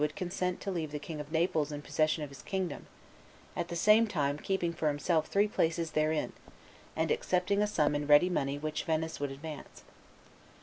would consent to leave the King of Naples in possession of his kingdom, at the same time keeping for himself three places therein, and accepting a sum in ready money which Venice would advance.